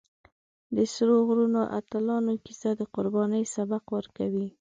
د سرو غرونو اتلانو کیسه د قربانۍ سبق ورکوي.